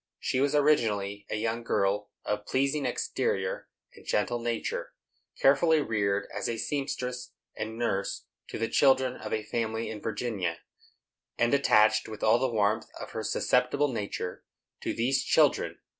She was originally a young girl of pleasing exterior and gentle nature, carefully reared as a seamstress and nurse to the children of a family in Virginia, and attached, with all the warmth of her susceptible nature, to these children.